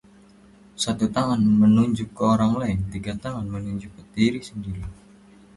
Satu tangan menunjuk ke orang lain, tiga tangan menunjuk ke diri sendiri